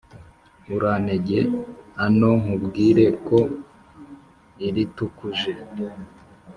Urantege ano nkubwire ko iritukuje